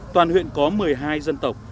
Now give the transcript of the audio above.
toàn huyện có một mươi hai dân tộc